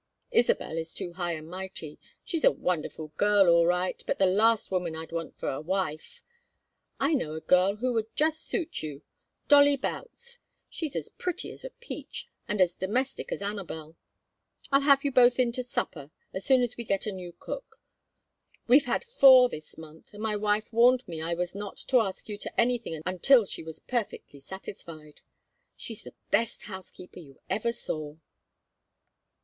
Isabel is too high and mighty. She's a wonderful girl all right, but the last woman I'd want for a wife. I know a girl that would just suit you Dolly Boutts. She's as pretty as a peach, and as domestic as Anabel. I'll have you both in to supper, as soon as we get a new cook. We've had four this month, and my wife warned me I was not to ask you to anything until she was perfectly satisfied. She's the best housekeeper you ever saw."